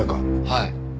はい。